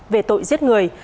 về tội giết người